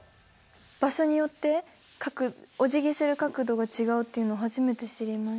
場所によっておじぎする角度が違うっていうのは初めて知りました。